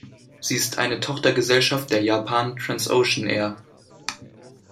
Sie ist eine Tochtergesellschaft der Japan Transocean Air.